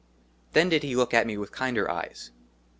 THEN DID HE LOOK AT ME WITH KINDER EYES.